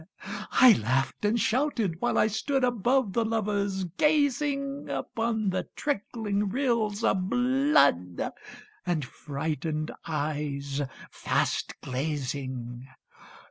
I laughed and shouted while I stood Above the lovers, gazing Upon the trickling rills of blood And frightened eyes fast glazing.